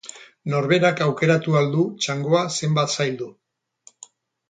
Norberak aukeratu ahal du txangoa zenbat zaildu.